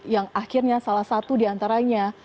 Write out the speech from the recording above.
yang akhirnya salah satu diantaranya